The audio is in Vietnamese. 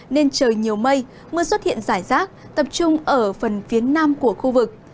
nên trời nhiều mây mưa xuất hiện rải rác tập trung ở phần phía nam của khu vực